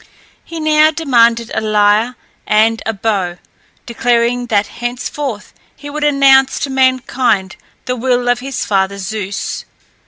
He now demanded a lyre and a bow, declaring that henceforth he would announce to mankind the will of his father Zeus.